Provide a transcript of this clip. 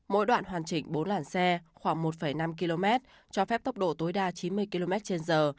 mỗi đoạn hoàn chỉnh bốn làn xe khoảng một năm km cho phép tốc độ tối đa chín mươi km trên giờ